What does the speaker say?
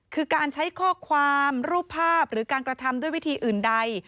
คือการใช้ข้อความรูปภาพหรือการกระทำด้วยวิธีอื่นใด